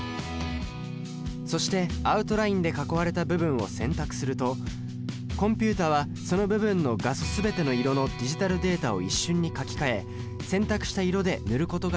そしてアウトラインで囲われた部分を選択するとコンピュータはその部分の画素全ての色のディジタルデータを一瞬に書き換え選択した色で塗ることができます。